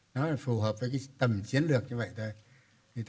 nó là phù hợp với tầm chiến lược như vậy thôi